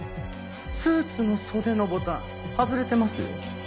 スーツの袖のボタン外れてますよ。